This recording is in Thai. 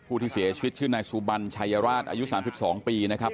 ผู้ที่เสียชีวิตชื่อนายซูบันชัยราชอายุสามพิวสองปีนะครับ